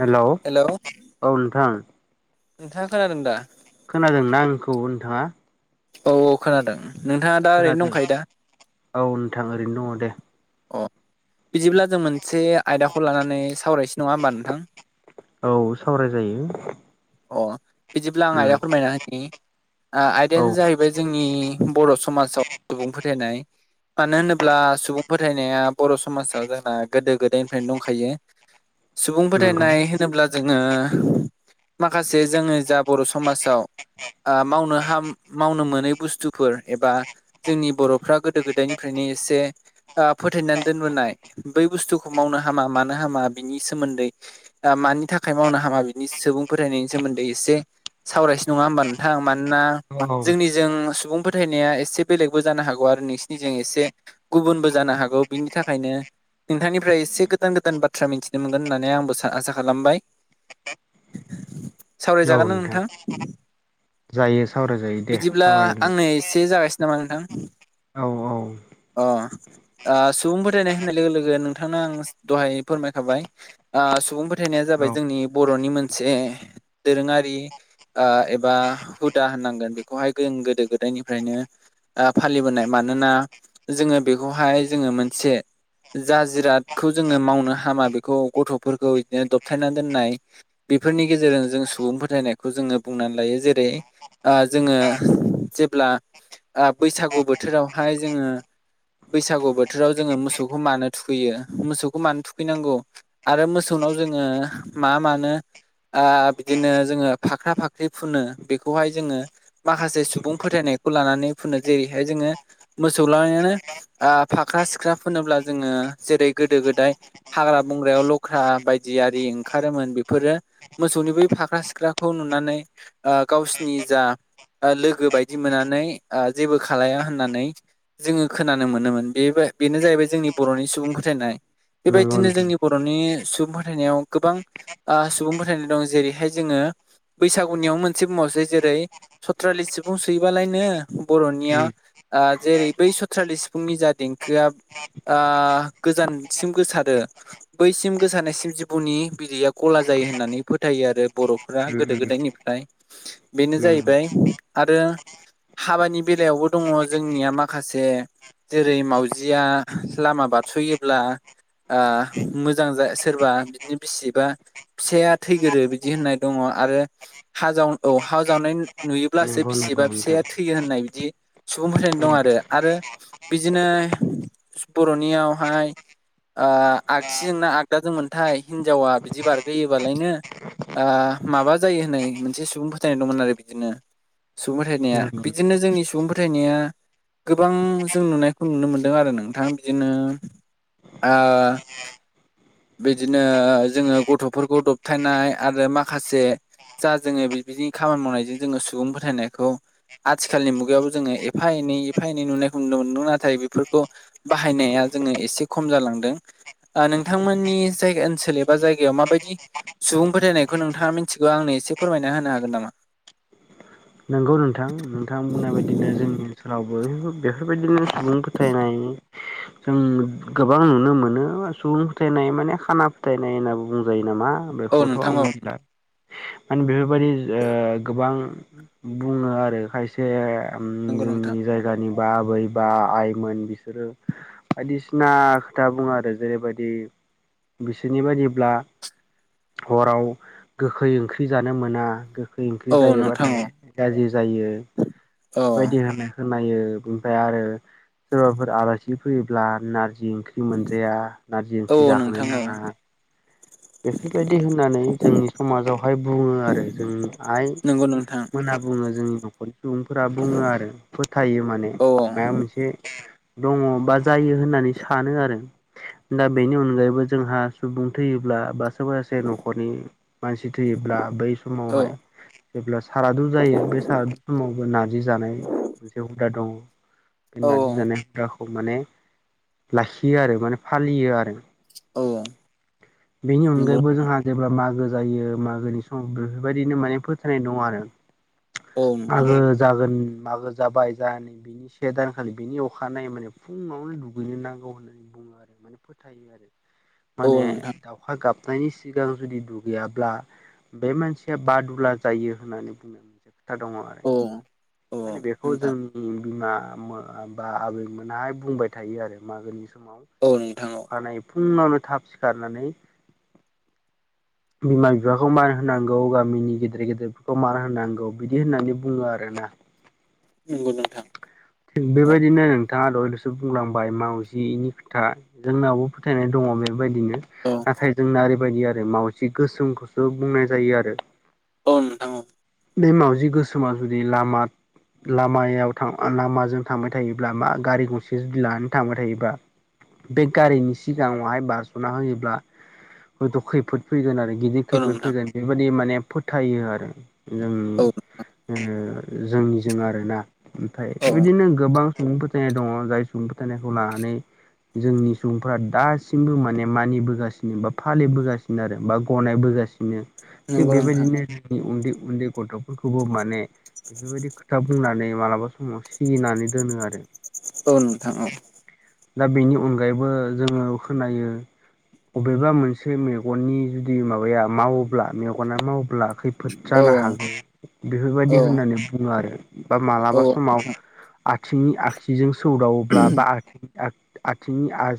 Hello, औ नोंथां नोंथाङा खोनादों दा? खोनादों ना आंखौबो नोंथाङा? औ औ खोनादों। नोंथाङा दा ओरैनो खोनादों दंखायो दा औ नोंथां ओरैनो दङ दे। अ बिजिब्ला जों मोनसे आयदाखौ लानानै सावरायसै नङा ओमबा नोंथां? औ सावराय जायो। अ बिदिब्ला आं आयदा फोरमायना होनि, ओ औ आयदायानो जाहैबाय जों जोंनि बर' समाजाव सुबुं फोथायनाय मानो होनोब्ला सुबुं फोथायनाया बर' समाजाव जोंना गोदो गोदायनिफ्रायनो दंखायो। सुबुं नंगौ फोथायनाय होनोब्ला द जोङो, माखासे जोङो जा बर' समाजाव ओ मावनो हाम मावनो मोनै बुस्थुफोर एबा जोंनि बर'फ्रा गोदो गोदायनिफ्रायनो एसे। ओ फोथायनानै दोनबोनाय बै बुस्थुखौ मावनो हामा। मानो हामा बिनि सोमोन्दै दा मानि थाखाय मावनो हामा बिनि सुबुं फोथायनायनि सोमोन्दै एसे सावरायस नङा होमबा नोंथां मानोना औ औ जोंनि जों सुबुं फोथायनाया एसे बेलेगबो जानो हागौ आरो नोंनिजों एसे गुबुनबो जानो हागौ। बिनि थाखायनो नोंथांनिफ्राय इसे गोदान-गोदान बाथ्रा मिथिनो मोनगोन होननानै आंबो सा-आसा खालामबाय। [inaudible] सावराय जागोन ना नोंथां? जायो सावरायजायो दे बिदिब्ला सावरायनो आंनो एसे जागायसि नामा नोंथां? औ औ ओ सुबुं फोथायनाय होननाय लोगो लोगो नोंथांनो आं दहाय फोरमायखाबाय। ओ सुबुं फोथायनाया जाबाय औ जोंनि बर'नि मोनसे दोरोङारि ओ एबा हुदा होननांगोन बेखौहाय जों गोदो गोदायनिफ्रायनो ओ फालिबोनाय मानोना जोङो बेखौहाय जोङो मोनसे जा जिरादखौ जोङो मावनो हामा बेखौ गथ'फोरखौ बिदिनो दबथायना दोननाय। बेफोरनि गेजेरजों जों सुबुं फोथायनायखौ जोङो बुंनानै लायो जेरै- ओ जोङो जेब्ला ओ बैसागु बोथोरावहाय जोङो बैसागु बोथोराव जोङो मोसौखौ मानो थुखैयो मोसौखौ मानो थुखैनांगौ? आरो मोसौनाव जोङो मा मानो ओ बिदिनो जोङो फाख्रा फाख्रि फुनो बेखौहाय जोङो माखासे सुबुं फोथायनायखौ लानानै फुनो जेरैहाय जोङो मोसौ लानायानो ओ फाख्रा सिख्रा फोनोब्ला जोङो जेरै गोदो गोदाय हाग्रा बंग्रायाव लख्रा बायदि आरि ओंखारोमोन बेफोरो मोसौनि बै फाख्रा सिख्राखौ नुनानै ओ गावसिनि जा लोगो बायदि मोननानै ओ जेबो खालाया होननानै जोङो खोनानो मोनोमोन। बे बेनो जाहैबाय जोंनि बर'नि सुबुं फोथायनाय। नंगौ बेबायदिनो नोंथां जोंनि बर'नि सुबुं फोथायनायाव गोबां ओ सुबुं फोथायनाय दं जेरैहाय जोङो बैसागुनियावनो मोनसे बुङावसै जेरै सथ्रालिस सिफुं सुयोबालायनो बर'निया उम ओ जेरै बै सथ्रालि सिफुंनि जा देंखोआ ओ गोजानसिम गोसारो। बैसिम गोसारनायसिम जिबौनि बिदैया गला जायो होननानै फोथायो आरो बर'फोरा उम गोदो उम गोदायनिफ्राय बेनो जाहैबाय नंगौ आरो हाबानि बेलायावबो दङ जोंनिया माखासे जेरै मावउजिया लामा बारस'योब्ला ओ मोजां जा सोरबा बिदिनो बिसि बा फिसाया थैगोरो बिदि होननाय दङ आरो हा जाव औ हा जावनाय नुयोब्लासो नंगौ बिसिबा नोंथां फिसाया थैयो होननाय बिदि सुबुं फोथायनाय औ दं आरो आरो बिदिनो बर'नियावहाय ओ आगसिजोंना आगदाजोंमोनथाय हिनजावा बिदि बारगोयोबालायनो ओ माबा जायो होननाय मोनसे सुबुं फोथायनाय दंमोन आरो बिदिनो सुबुं फोथायनाया नंगौ बिदिनो जोंनि सुबुं फोथायनाया गोबां जों नुनायखौ नुनो मोनदों आरो नोंथां बिदिनो ओ बिदिनो जोङो गथ'फोरखौ दबथायनाय आरो माखासे जा जोङो बिदि खामानि मावनायजों जोङो सुबुं फोथायनायखौ आथिखालनि मुगायावबो जोङो एफा एनै एफा एनै नुनायखौ नुनो मोनदों नाथाय बेफोरखौ बाहायनाया जोङो एसे खम जालांदों आ नों थांमोननि जायगा ओनसोल एबा जायगायाव माबायदि सुबुं फोथायनायखौ नोंथाङा मिथिगौ आंनो एसे फोरमायना होनो हागोन नामा? नंगौ नोंथां नोंथां बुंनाय बायदिनो जोंनि ओनसोलावबो बेफोरबायदिनो सुबुं फोथायनाय [inaudible] जों गोबां नुनो मोनो सुबुं फोथायनाय माने खाना फोथायनाय होननानैबो बुंजायो नामा? औ बेखौथ' नोंथां आं औ मिथिला माने बेफोरबायदि ओ गोबां बुङो आरो खायसे उम नंगौ नोंथां जोंनि जायगानि बा आबै बा आइमोन बिसोरो बायदिसिना खोथा बुङो आरो जेरैबायदि बिसोरनि बायदिब्ला हराव गोखै ओंख्रि जानो मोना। गोखै ओंख्रि औ नोंथां जायोबाथाय गाज्रि जायो औ बेबायदि होनो। खोनायो ओमफ्राय आरो सोरबाफोर आलासि फैयोब्ला नारजि ओंख्रि मोनजाया नारजि औ ओंख्रि औ जाहोनो नोंथां औ नाङा। बेफोरबायदि होननानै जोंनि समाजावहाय बुङो आरो जोंनि आइ नंगौ नोंथां। मोनना बुङो जोंनि नखर सुबुंफोरा बुङो आरो फोथायो माने औ मा मोनसे दङ बा जायो होननानै सानो आरो दा बेनि अनगायैबो जोंहा सुबुं थैयोब्ला बा सोरबा सासे नखरनि मानसि थैयोब्ला बै औ समावहाय जेब्ला सारादु जायो बे सारादु समावबो नारजि जानाय मोनसे हुदा दङ। बे औ नारजि जानाय हुराखौ माने लाखियो आरो माने फालियो आरो। औ बेनि नंगौ अनगायैबो जोंहा जेब्ला मागो जायो मागोनि समाव बेफोरबायदिनो माने फोथायनाय दं आरो। औ नोंथां मागो जागोन मागोन जाबाय जानोखि से दानखालि बिनि अखानायै माने फुङावनो दुगैनो नांगौ होननानै बुङो। माने फोथायो [inaudible] आरो माने औ नोंथां दावखा गाबनायनि सिगां जुदि दुगैयाब्ला बे मानसिया बादुला जायो होननानै बुङो। खोथा दङ आरो औ औ माने बेखौ नोंथां जोंनि बिमा बा आबैमोनाहाय बुंबाय थायो आरो मागोनि समाव औ नोंथां औ अखानायै फुङावनो थाब सिखारनानै [inaudible] बिमा बिफाखौ मान होनांगौ गामिनि गेदेर गेदेरफोरखौ मान होनांगौ बिदि होननानै बुङो आरोना। नंगौ नोंथां। थिग औ बेबायदिनो नोंथाङा दयल'सो बुंलांबाय मावजिनि खोथा जोंनावबो फोथायनाय दङ बेबायदिनो औ नाथाय जोंना ओरैबायदि आरो मावजि गोसोमखौसो बुंनाय जायो आरो औ नोंथां औ बे मावाजि गोसोमा जुदि लामा लामायाव थां लामाजों थांबाय थायोब्ला मा गारि गंसे जुदि लानानै थांबाय थायोबा बे गारिनि सिगाङावहाय बाज्ल'ना होयोब्ला हयथ' खैफोद फैगोन आरो गिदिर औ खैफोद नोंथां फैगोन बेबायदि माने फोथायो आरो जोंनि औ ओ जोंनिजों आरोना ओमफ्राय औ बेबायदिनो गोबां सुबुं फोथायनाय दङ जाय सुबुं फोथायनायखौ लानानै जोंनि सुबुंफ्रा दासिमबो माने मानिबोगासिनो बा फालिबोगासिनो आरो बा गनायबोगासिनो थिग नंगौ नोंथां बेबायदिनो उन्दै उन्दै गथ'फोरखौबो माने बेफोरबायदि खोथा बुंनानै मालाबा समाव सिगिनानै दोनो आरो औ नोंथां औ दा बेनि अनगायैबो जोङो खोनायो। अबेबा मोनसे मेगननि जुदि माबाया मावोब्ला मेगना मावोब्ला खै फोद औ औ जानो हागौ बेफोरबायदि औ होननानै बुङो आरो बा मालाबा औ समाव नोंथां आथिंनि आगसिजों सौदावोब्ला बा [unintelligible] आथिंनि आ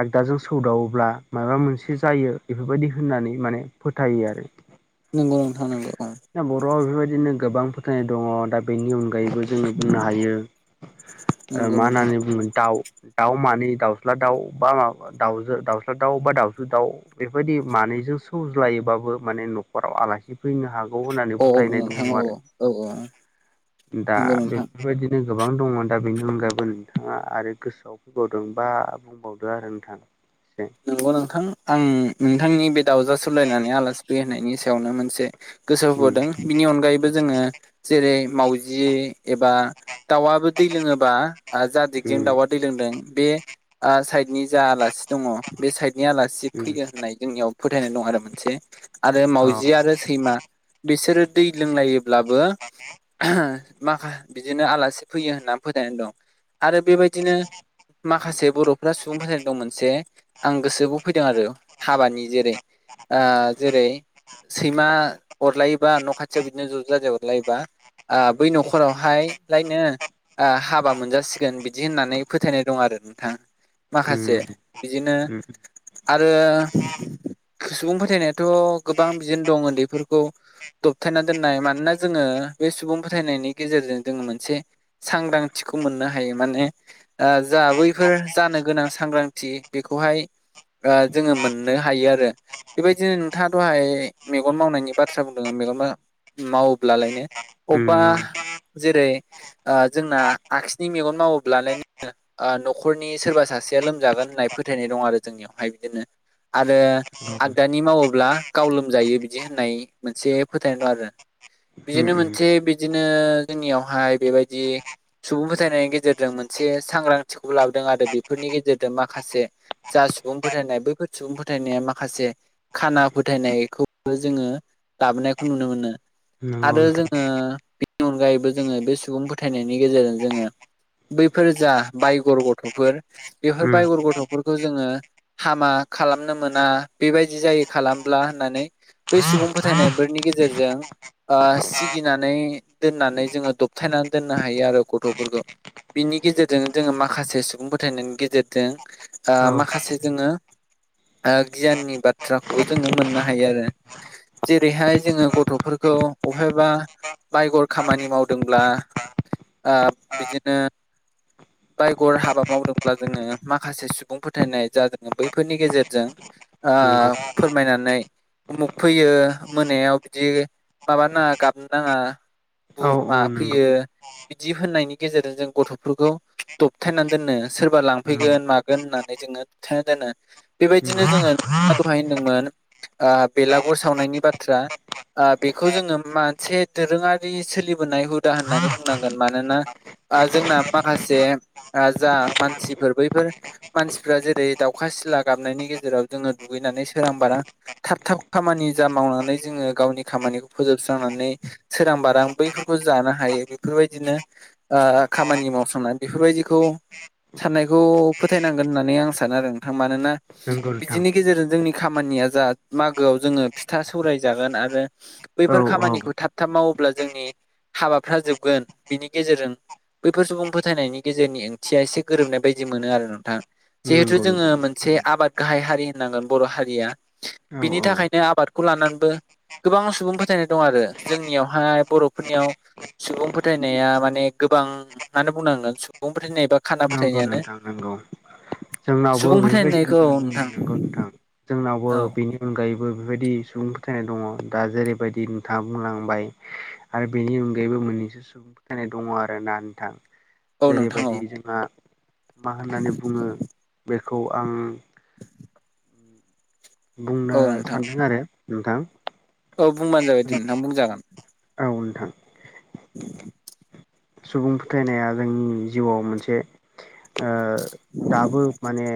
आगदाजों सौदावोब्ला माबा मोनसे जायो बेफोरबायदि होननानै माने फोथायो आरो [inaudible] नंगौ नोंथां नंगौ औ दा बर'आव बेफोरबायदिनो गोबां फोथायनाय दङ दा बेनि अनगायैबो जोङो बुंनो हायो ओ नंगौ मा नोंथां होननानै बुंगोन दाउ दाउ मानै दाउस्ला दाउ बा माबा दाउजो दाउस्ला दाउ बा दाउजो दाउ बेफोरबायदि मानैजों सौज्लायोबाबो माने नखराव आलासि फैनो हा गौ होननानै औ औ फोथायनाय नोंथां दङ औ औ औ आरो दा नंगौ नोंथां बे बेबायदिनो गोबां दङ दा बेनि अनगायैबो नोंथाङा आरो गोसोआव फैबावदों बा बुंबावदो आरो नोंथां एसे नंगौ नोंथां आं नोंथांनि बे दाउजो सौलायनानै आलासि फैयो होनायनि सायावनो मोन से गोसो उम होबोदों बिनि अनगायैबो जोङो जेरै मावाउजि एबा दाउआबो दै लोङोबा ओ जा दिगजों दाउआ दै लोंदों बे ओ साइदनि जा आलासि दङ बे साइदनि आला सि उम फैगोन होननाय जोंनियाव फोथायनाय दं आरो मोनसे आरो औ मावजि आरो सैमा बिसोरो दै लोंलायोब्लाबो माखा बिदिनो आलासि फैयो होननानै फोथायनाय दं। आरो बेबायदिनो माखासे बर'फ्रा सुबुं फोथायनाय दं मोनसे आं गोसो बाव फैदों आरो हाबानि जेरै ओ जेरै सैमा अरलायोबा न' खाथियाव बिदिनो ज' ज' जाजाय अरलायोबा ओ बै नखरावहायलायनो ओ हाबा मोनजासिगोन बिदि होननानै फोथायनाय दं आरो नोंथां। माखासे उम बिदिनो उम आरो सुबुं फोथायनायाथ' गोबां बिदिनो दं उन्दैफोरखौ दबथायना दोननाय मानोना जोङो बे सुबुं फोथायनायनि गेजेरजों जों मोनसे सांग्रांथिखौ मोननो हायो माने ओ जा बैफोर जानो गोनां सांग्रांथि बेखौहाय ओ जोङो मोननो हायो आरो। बेबायदिनो नोंथाङा दहाय मेगन मावनायनि बाथ्रा बुंदों मेगन मा मावोब्लालायनो अबा उम जेरै ओ जोंना आगसिनि मेगनमावोब्ला लायनो ओ नख'रनि सोरबा सासेया लोमजागोन होननाय फोथायनाय दं आरो जोंनियावहाय बिदिनो आरो आगदानि मावोब्ला गाव लोमजायो बिदि होननाय मोनसे फोथायनाय दं आरो। उम बिदिनो उम मोनसे बिदिनो जोंनियावहाय बेबायदि सुबुं फोथायनायनि गेजेरजों मोनसे सांग्रांथिखौबो लाबोदों आरो बेफोरनि गेजेरजों माखासे जा सुबुं फोथायनाय बैफोर सुबुं फोथायनाया माखासे खाना फोथायनायखौबो जोङो लाबोनायखौ नुनो मोनो। नंगौ आरो नोंथां जोङो बेनि अनगायैबो जोङो बे सुबुं फोथायनायनि गेजेरजों जोङो बैफोर जा बायगर गथ'फोर बेफोर उम बायगर गथ'फोर खौ जोङो हामा खालामनो मोना बेबायदि जायो खालामब्ला होननानै बै सुबुं फोथायनायफोरनि गेजेरजों ओ सिगिनानै दोननानै जोङो दबथायनानै दोननो हायो आरो गथ'फोरखौ। बिनि गेजेरजों जोङो माखासे सुबुं फोथायनायनि गेजेरजों ओ औ माखासे जोङो ओ गियाननि बाथ्राखौबो जोङो मोननो हायो आरो। जेरैहाय जोङो गथ'फोरखौ अबायहायबा बायगर खामानि मावदोंब्ला ओ बिदिनो। बायगर हाबा मावदोंब्ला जोङो माखासे सुबुं सुबुं फोथायनाय जा दङ बैफोरनि गेजेरजों ओ नंगौ फोरमायनानै। उमुख फैयो मोनायाव बिदि माबा नाङा गाबनो नाङा। औ मा औ नंगौ। फैयो बिदि होननायनि गेजेरजों जों गथ'फोरखौ दबथायनानै दोननो सोरबा नंगौ लांफैगोन मागोन गोन होननानै जोङो दबथायना दोनो बेबायदिनो जोङो नोंथाङा दहाय होनदोंमोन। ओ बेलागुर सावनायनि बाथ्रा ओ बेखौ जोङो मोनसे दोरोङारि सोलिबोनाय हुदा होननानै बुंनांगोन मानोना ओ जोंना माखासे ओ जा मानसिफोर बैफोर मानसिफ्रा जेरै दाउखा सिला गाबनायनि गेजेराव जोङो दुगैनानै सोरां बारांनो थाब थाब खामानि जा मावनानै जोङो गावनि खामानिखौ फोजोबस्रांनानै। सोरां बारां बैफोरखौ जानो हायो बेफोरबादिनो ओ खामानि मावस्रांनाय बेफोरबादिखौ साननायखौ फोथायनांगोन होननानै आं सानो आरो नोंथां मानोना। नंगौ नोंथां बिदिनि गेजेरजों जोंनि खामानिया जा मागोआव जोङो फिथा सौराय जागोन आरो। औ बैफोर औ खामानिखौ थाब थाब मावोब्ला जोंनि हाबाफ्रा जोबगोन बिनि गेजेरजों। बैफोर सुबुं फोथायनायनि गेजेरनि ओंथिया एसे गोरोबनाय बायदि मोनो आरो ना थां जिहेथु नंगौ जोङो नोंथां मोनसे आबाद गाहाय हारि होनांगोन बर' हारिया। औ बिनि औ थाखायनो आबादखौ लानानैबोओ गोबां सुबुं फोथायनाय दं आरो जोंनियावहाय बर'फोरनियावो सुबुं फोथायनाया माने गोबाङानो बुंनांगोन सुबुं फोथायनाय बा खाना फोथायनायानो। नोंगौ जोंनावबो सुबुं फोथायनायखौ औ बेफोरबायदिनो गौ नोंथां। जोंनावबो औ बेनि अनगायैबो ओ बो बेबायदि सुबुं फोथायनाय दङ दा जेरैबायदि नोंथाङा बुंलांबायो। आरो बेनि अनगायैबो मोननैसो सुबुं फोथायनाय दङ आरो ना नोंथां औ नोंथां औ जेरैबायदि जोंहा मा होननानै बुङो बेखौ आंखौ बुंनो औ नोंथां सान्दों आरो नोंथां। औ बुंबानो जाबाय दि नोंथां बुंजागोन। ओ नोंथां। [unintelligible] सुबुं फोथायनाया जोंनि जिउआव मोनसे ओ दाबो माने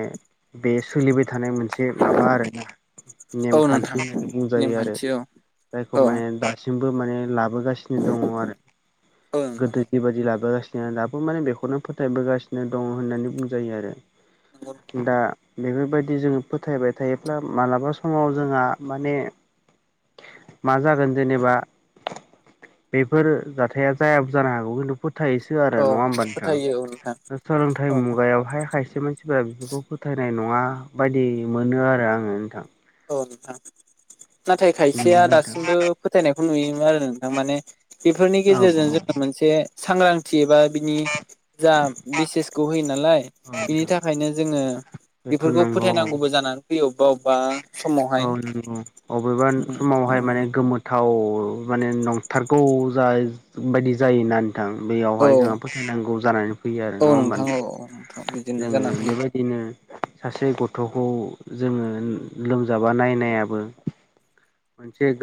बे सोलिबाय थानाय मोनसे माबा आरोना। औ नेमखान्थि नोंथां होननानै बुंजायो आरो नेमखान्थि औ जायखौ औ माने दा दासिमबो माने लाबोगासिनो दङ' आरो औ नोंथां गोदो औ बेबायदि लाबोगासिनो दाबो माने बेखौनो फोथायबोगासिनो दङ' होननानै बुंजायो आरो। नंगौ नोंथां दा बेफोरबायदि जोङो फोथायबाय थायोब्ला मालाबा समाव जोंहा माने। मा जागोन जेनेबा बेफोर जाथाया जायाबो जानो हागोन। फोथायोसो आरो औ नङा होमब फोथायो औ नोंथां सोलोंथाइ औ मुगायावहाय खायसे माखासे मानसिफोरा बेफोरखौ फोथायनाय नङा बादि मोनो आरो आङो नोंथां। औ नोंथां नाथाय खायसेया नंगौना नोंथां दासिमबो फोथायनायखौ नुयोमोन आरो नोंथां माने बेफोरनि औ गेजेरजों औ जोङो मोनसे सांग्रांथि एबा बिनि जा मसेसखौ होयो नालाय औ बिनि नोंथां थाखायनो जोङो बेथ' बेफोरखौ नंगौ फोथायनांगौबो जानानै फैयो अबा अबा औ नंगौ अबेबा समावहाय माने गोमो थाव माने नंथारगौ जाबायदि जायोना नोंथां औ बेयावहाय जोंहा फोथायनांगौ जानानै फैयो आरो औ नङा होमबा औ नोंथां औ नोंथां बिदिनो जोङो जानानै फैयो बेबादि बिदिनो सासे गथ'खौ जोङो लोम जाबा नायनायाबो मोनसे